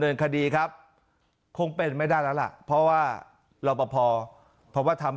เงินคดีครับคงเป็นไม่ได้แล้วล่ะเพราะว่ารอปภเพราะว่าทำ